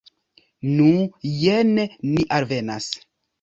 Nu, jen ni alvenas.